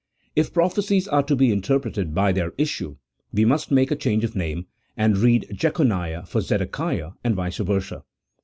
If prophecies are to be interpreted by their issue, we must make a change of name, and read Jechoniah for Zedekiah, and vice versa.